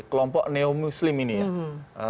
kelompok neom muslim ini ya